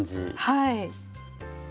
はい。